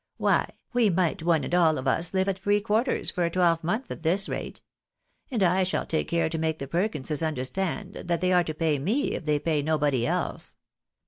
Why, we might one and nil of us live at free quarters for a twelvemonth at this rate ; and I shall tiike care to make the Perkinses understand that they are to pay me if they pay nobody else.